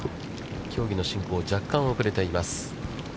競技の進行が若干、遅れています。